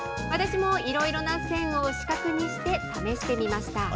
私もいろいろな線を主画にして、試してみました。